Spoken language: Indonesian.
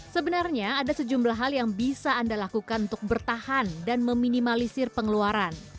sebenarnya ada sejumlah hal yang bisa anda lakukan untuk bertahan dan meminimalisir pengeluaran